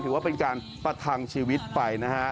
ถือว่าเป็นการประทังชีวิตไปนะฮะ